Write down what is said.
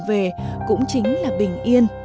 về cũng chính là bình yên